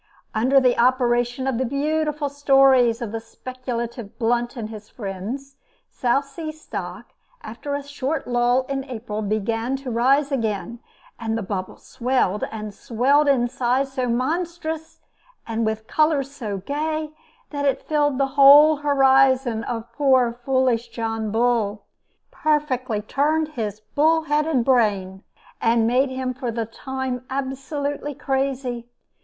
Under the operation of the beautiful stories of the speculative Blunt and his friends, South Sea stock, after a short lull in April, began to rise again, and the bubble swelled and swelled to a size so monstrous, and with colors so gay, that it filled the whole horizon of poor foolish John Bull: perfectly turned his bull headed brain, and made him for the time absolutely crazy.